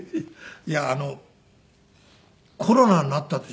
いやあのコロナになったでしょ？